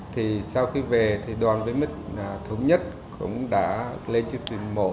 thì sau khi về thì đoàn với mít thống nhất cũng đã lên chương trình mổ